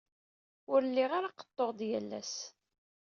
Ur lliɣ ara qeḍḍuɣ-d yal ass.